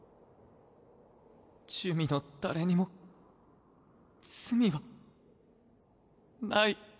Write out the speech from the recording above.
珠魅の誰にも罪はない。